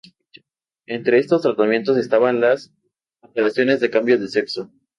Entre estos tratamientos estaban las operaciones de cambio de sexo.